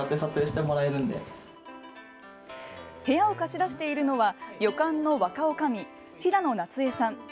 部屋を貸し出しているのは旅館の若女将・平野奈津江さん。